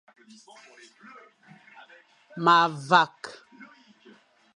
Ma vak.